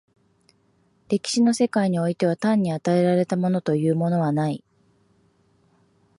歴史の世界においては単に与えられたものというものはない。